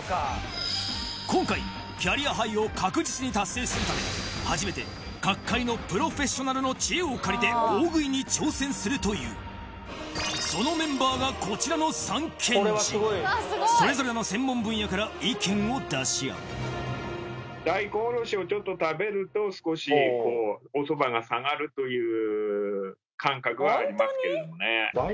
今回キャリアハイを確実に達成するため初めて各界のプロフェッショナルの知恵を借りて大食いに挑戦するというそのメンバーがこちらの三賢人それぞれの専門分野から意見を出し合うという感覚はありますけれどもね。